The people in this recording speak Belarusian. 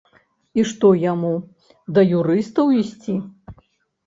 І што яму, да юрыстаў ісці?